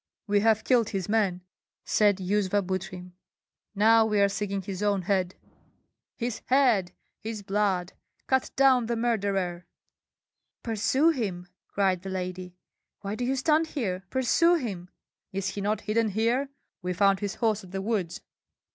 "We have killed his men," said Yuzva Butrym; "now we are seeking his own head." "His head, his blood! Cut down the murderer!" "Pursue him!" cried the lady. "Why do you stand here? Pursue him!" "Is he not hidden here? We found his horse at the woods."